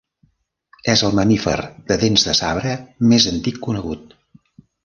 És el mamífer de dents de sabre més antic conegut.